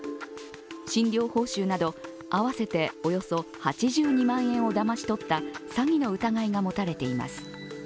診療報酬など合わせておよそ８２万円をだまし取った詐欺の疑いが持たれています。